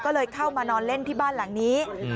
ก็เลยเข้ามานอนเล่นที่บ้านหลังนี้